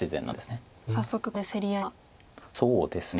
そうですね。